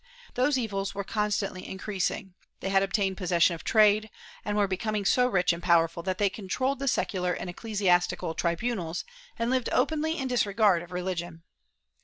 Those evils were constantly increasing; they had obtained possession of trade, and were becoming so rich and powerful that they controlled the secular and ecclesiastical tribunals and lived openly in disregard of religion.